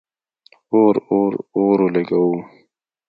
اور، اور، اور ولګوو